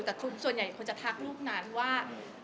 แต่ส่วนใหญ่คนจะทักรูปนั้นว่า